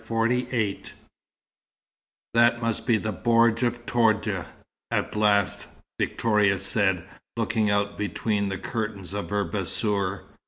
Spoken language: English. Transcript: XLVIII "That must be the bordj of Toudja, at last," Victoria said, looking out between the curtains of her bassour.